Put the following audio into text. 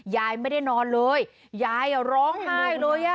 ยายไม่ได้นอนเลยยายร้องไห้เลยอ่ะ